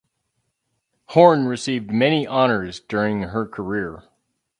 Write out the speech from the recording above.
Horne received many honors during her career.